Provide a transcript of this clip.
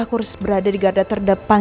aku harus berada di garda terdepan